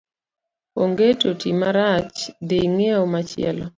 Onget oti marach dhi ing'iew machielo.